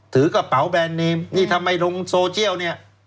ถือกระเป๋าแบรนด์เนมนี่ทำไมลงโซเชียลเนี่ย